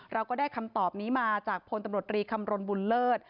เราก็ได้คำตอบนี้มาจากพลตำรวจรีคำรณบุญเลิศ